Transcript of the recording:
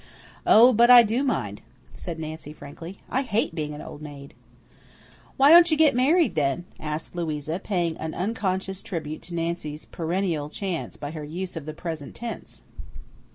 "Oh, but I do mind," said Nancy frankly. "I hate being an old maid." "Why don't you get married, then?" asked Louisa, paying an unconscious tribute to Nancy's perennial chance by her use of the present tense.